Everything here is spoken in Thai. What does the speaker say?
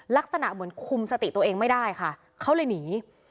ลักษณะเหมือนคุมสติตัวเองไม่ได้ค่ะเขาเลยหนี